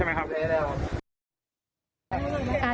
ไม่รอ